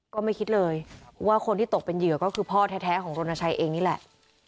ก็ไม่คิดเลยว่าคนที่ตกเป็นเหยื่อก็คือพ่อแท้ของรณชัยเองนี่แหละ